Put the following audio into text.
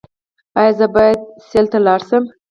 ایا زه باید سیل ته لاړ شم؟